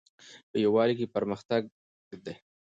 په یووالي کې پرمختګ ده